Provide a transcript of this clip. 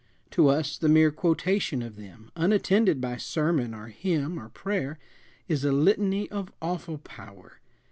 To us the mere quotation of them, unattended by sermon or hymn or prayer, is a litany of awful power.